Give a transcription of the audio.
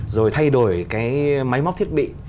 rồi thay đổi cái máy móc thiết bị